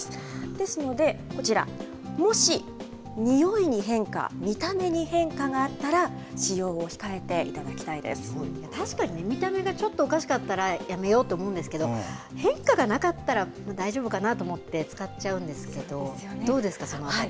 ですので、こちら、もしにおいに変化、見た目に変化があったら、使用を控えていただ確かにね、見た目がおかしかったらやめようと思うんですけど、変化がなかったら大丈夫かなと思って、使っちゃうんですけど、どうですか、そのあたり。